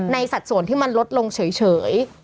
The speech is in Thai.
สัดส่วนที่มันลดลงเฉย